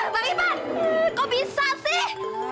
bang iman kok bisa sih